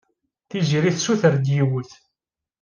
Tiziri tessuter-d yiwet.